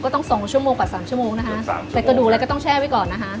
ต้องส่งชั่วโมงกว่าสามชั่วโมงนะคะแต่กระดูกอะไรก็ต้องแช่ไว้ก่อนนะคะ